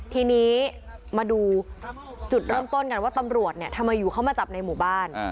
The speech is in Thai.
ทีนี้มาดูจุดเริ่มต้นกันว่าตำรวจเนี่ยทำไมอยู่เข้ามาจับในหมู่บ้าน